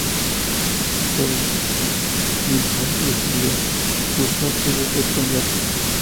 Flores Jijón decidió excusarse de ser candidato.